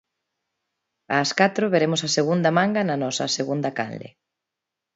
Ás catro veremos a segunda manga na nosa segunda canle.